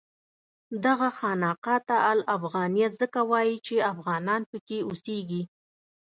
دغه خانقاه ته الافغانیه ځکه وایي چې افغانان پکې اوسېږي.